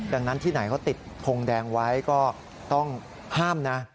ดังนั้นที่ไหนเขาติดทงแดงไว้ก็ต้องห้ามนะ